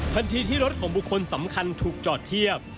ที่รถของบุคคลสำคัญถูกจอดเทียบ